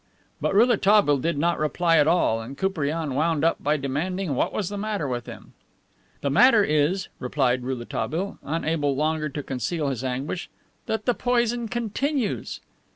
'" But Rouletabille did not reply at all, and Koupriane wound up by demanding what was the matter with him. "The matter is," replied Rouletabille, unable longer to conceal his anguish, "that the poison continues."